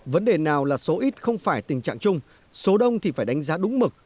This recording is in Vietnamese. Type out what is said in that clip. vấn đề nào là số ít không phải tình trạng chung số đông thì phải đánh giá đúng mực